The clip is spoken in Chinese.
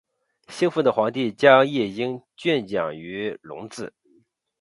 兴奋的皇帝将夜莺圈养于笼子。